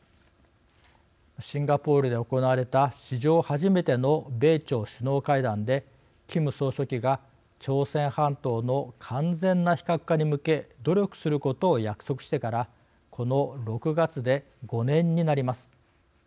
シンガポールで行われた史上初めての米朝首脳会談でキム総書記が朝鮮半島の完全な非核化に向け努力することを約束してからこの６月で５年になります。